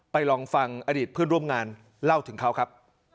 ลองฟังอดีตเพื่อนร่วมงานเล่าถึงเขาครับ